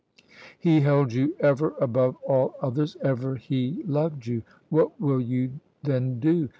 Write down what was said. He held you ever above all others; ever he loved you! What will you then do?